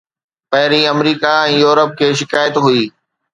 پهرين، America ۽ Europe کي شڪايت هئي.